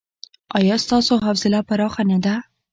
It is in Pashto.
ایا ستاسو حوصله پراخه نه ده؟